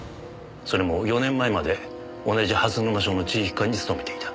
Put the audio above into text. それも４年前まで同じ蓮沼署の地域課に勤めていた。